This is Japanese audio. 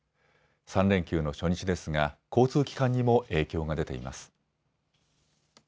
３連休の初日ですが交通機関にも影響が出ています。